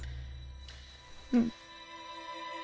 うん。